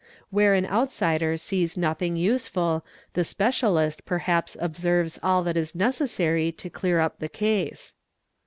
Where an outsider sees nothing useful, the specialist perhaps observes all that is necessary to clear up the case.